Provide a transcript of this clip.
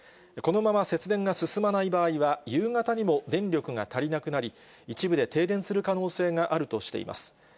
このまま節電が進まない場合は、夕方にも電力が足りなくなり、一部で停電する可能性があるとしています。